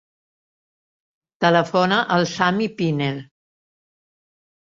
Telefona al Sami Pinel.